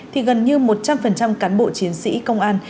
thì gần như một trăm linh cán bộ chiến sĩ công an